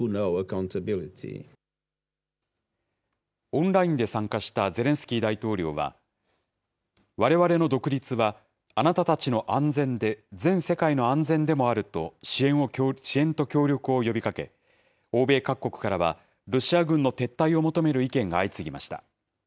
オンラインで参加したゼレンスキー大統領は、われわれの独立はあなたたちの安全で全世界の安全でもあると、支援と協力を呼びかけ、欧米各国からは、ロシア軍の撤退を求める意見が相次ぎました。